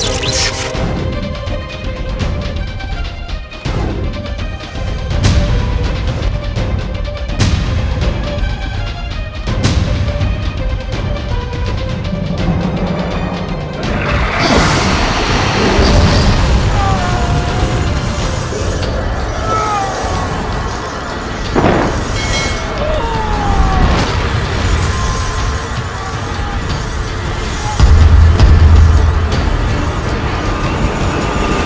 belum senang letztennya jaksuch negara kami